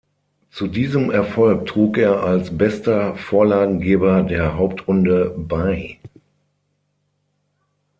Zu diesem Erfolg trug er als bester Vorlagengeber der Hauptrunde bei.